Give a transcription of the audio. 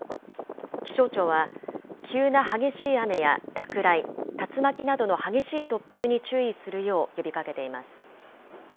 気象庁は、急な激しい雨や落雷、竜巻などの激しい突風に注意するよう呼びかけています。